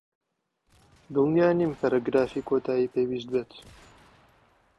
دڵنیا نیم پەرەگرافی کۆتایی پێویست بێت.